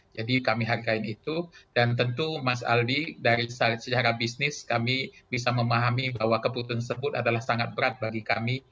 jadi kami hargai itu dan tentu mas alvi dari secara bisnis kami bisa memahami bahwa keputusan tersebut adalah sangat berat bagi kami